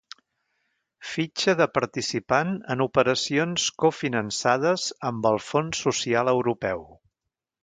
Fitxa de participant en operacions cofinançades amb el Fons Social Europeu.